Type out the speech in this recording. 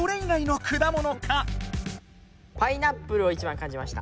パイナップルを一番感じました。